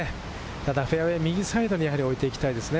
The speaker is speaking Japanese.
ただフェアウエー、右サイドには置いていきたいですね。